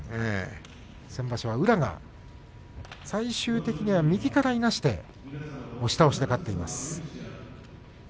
先場所は宇良が最終的には右からいなして押し倒して勝っています。